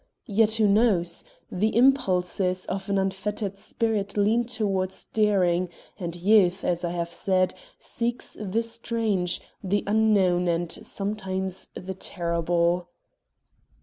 Yet, who knows? The impulses of an unfettered spirit lean toward daring, and youth, as I have said, seeks the strange, the unknown and, sometimes, the terrible.